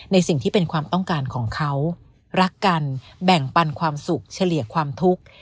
สิ่งที่เป็นความต้องการของเขารักกันแบ่งปันความสุขเฉลี่ยความทุกข์